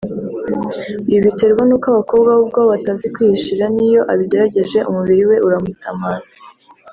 Ibi biterwa n’uko abakobwa bo ubwabo batazi kwihishira n’iyo abigerageje umubiri we uramutamaza